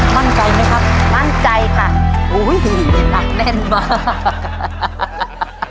มั่นใจไหมครับมั่นใจค่ะอุ้ยหนักแน่นมาก